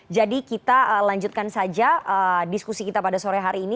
jadi kita lanjutkan saja diskusi kita pada sore hari ini